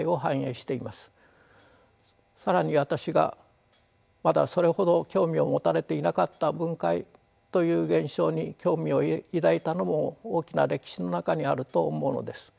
更に私がまだそれほど興味を持たれていなかった分解という現象に興味を抱いたのも大きな歴史の中にあると思うのです。